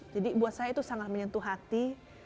jadi buat saya itu sangat menyentuh hati